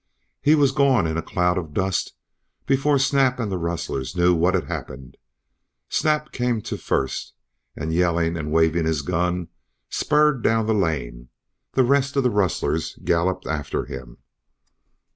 He was gone in a cloud of dust before Snap and the rustlers knew what had happened. Snap came to first and, yelling and waving his gun, spurred down the lane. The rest of the rustlers galloped after him."